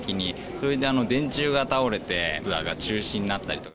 それで、電柱が倒れて、ツアーが中止になったりとか。